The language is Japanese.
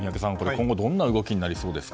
今後どんな動きになりそうですか。